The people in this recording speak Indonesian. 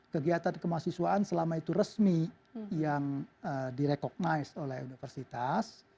kegiatan kemahasiswaan selama itu resmi yang direkognize oleh universitas